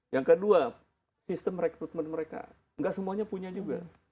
yang kedua sistem rekrutmen mereka nggak semuanya punya juga